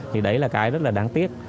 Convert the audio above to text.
thì đấy là cái rất là đáng tiếc